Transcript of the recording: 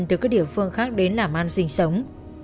từ các địa phương khác đến làm ăn sinh sống